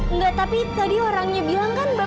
enggak tapi tadi orangnya bilang kan bapak mau jual